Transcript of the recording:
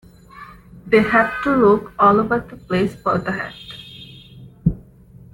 They had to look all over the place for the hat.